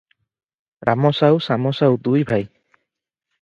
ରାମ ସାଉ ଶାମ ସାଉ ଦୁଇ ଭାଇ ।